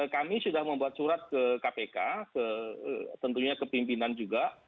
kami sudah membuat surat ke kpk tentunya kepimpinan juga